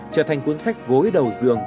trở thành cuốn sách gối đầu dường